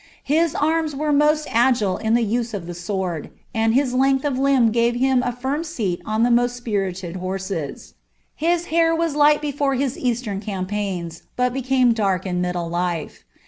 His arms were most agile in the •word, and his length of limb gave him a firm seat on the )d horses. His hair was light bdore his eastern campaigns, dark in middle life.